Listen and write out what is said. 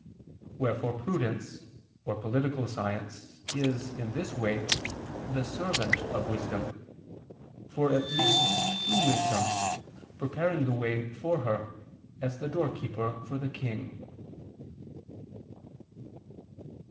Wherefore prudence, or political science, is, in this way, the servant of wisdom; for it leads to wisdom, preparing the way for her, as the doorkeeper for the king.